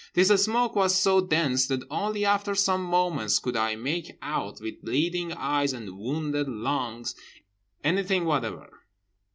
This smoke was so dense that only after some moments could I make out, with bleeding eyes and wounded lungs, anything whatever.